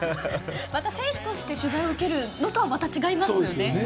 選手として取材を受けるのとは違いますよね。